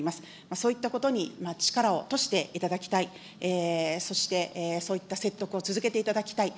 そういったことに力を賭していただきたい、そして、そういった説得を続けていただきたい。